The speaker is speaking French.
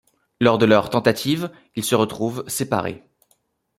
Lors de leur tentative, ils se retrouvent séparés.